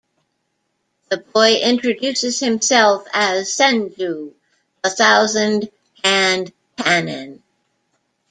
The boy introduces himself as Senju, the Thousand-Hand Kannon.